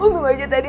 untung aja tadi